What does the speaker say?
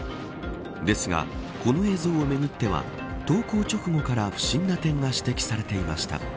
ですが、この映像をめぐっては投稿直後から、不審な点が指摘されていました。